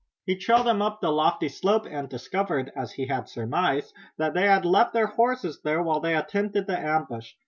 He trailed them up the lofty slope and discovered, as he had surmised, that they had left their horses there while they attempted the ambush.